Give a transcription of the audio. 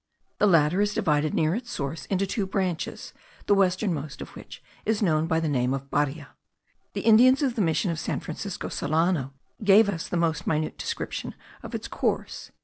The latter is divided near its source into two branches, the westernmost of which is known by the name of Baria. The Indians of the mission of San Francisco Solano gave us the most minute description of its course.